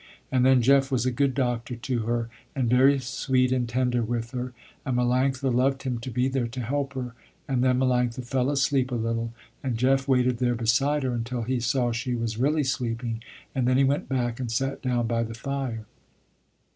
And then Jeff was a good doctor to her, and very sweet and tender with her, and Melanctha loved him to be there to help her, and then Melanctha fell asleep a little, and Jeff waited there beside her until he saw she was really sleeping, and then he went back and sat down by the fire.